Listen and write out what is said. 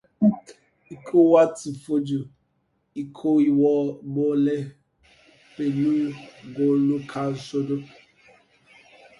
Ikọ̀ wa ti fojú Ikọ̀ Ìwó gbolẹ̀ pẹ̀lú góòlù kan sódo.